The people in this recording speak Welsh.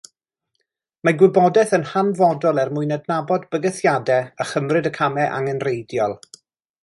Mae gwybodaeth yn hanfodol er mwyn adnabod bygythiadau a chymryd y camau angenrheidiol